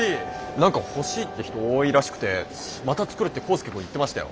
何か欲しいって人多いらしくてまた作るってコウスケ君言ってましたよ。